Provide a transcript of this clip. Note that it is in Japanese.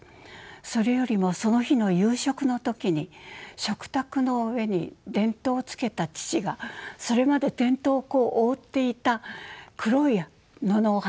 それよりもその日の夕食の時に食卓の上に電灯をつけた父がそれまで電灯を覆っていた黒い布を外したんです。